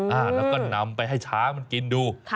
แล้วก็นำไปให้ช้างมันกินดู